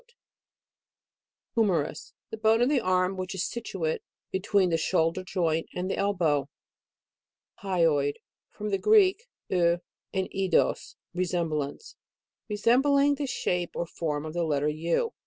it. HUMERUS. The hone of the arm, which is situate between the shoul der joint and the elbow. HYOID. From the Greek, u, and eidos, lesemblance. Resembling the shape or form of the letter U.